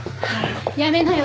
やめなよ